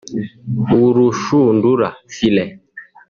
urushundura (Filet)